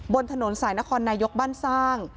บนถนนสายนครนายกบ้านสร้าง